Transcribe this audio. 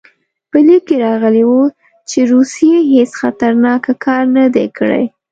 په لیک کې راغلي وو چې روسیې هېڅ خطرناک کار نه دی کړی.